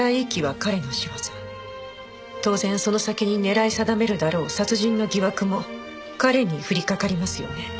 当然その先に狙い定めるだろう殺人の疑惑も彼に降りかかりますよね？